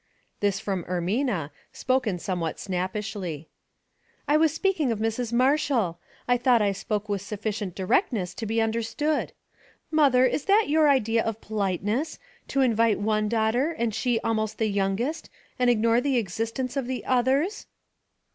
This from Ermina, spoken somewhat snappish " I was speaking of Mrs. Marshall. I thought I spoke with suflBcient distinctness to be under stood. Mother, is that your idea of politeness — to invite one daughter, and she almost the youngest, and ignore the existence of the others